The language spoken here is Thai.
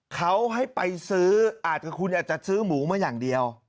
เขาให้ไปซื้ออาจจะคุณอาจจะซื้อหมูมาอย่างเดียว